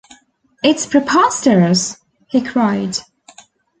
“It is preposterous,” he cried.